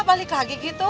balik lagi gitu